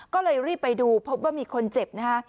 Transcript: ก็เลยรีบไปดูพบว่ามีคนเจ็บนะฮะ